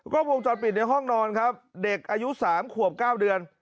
ก็วงจอดปิดในห้องนอนครับเด็กอายุ๓ขวบ๙เดือน